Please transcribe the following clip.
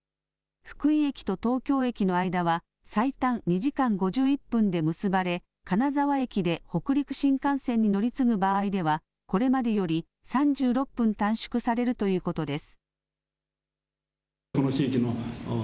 福井駅と東京駅の間は最短２時間５１分で結ばれ、金沢駅で北陸新幹線に乗り継ぐ場合では、これまでより３６分短縮されるということです。